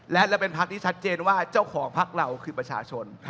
และเราเป็นพักที่ชัดเจนว่าเจ้าของพักเราคือประชาชน